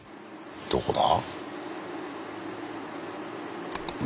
どこだ？